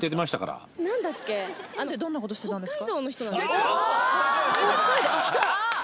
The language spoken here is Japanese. どんなことしてたんですか？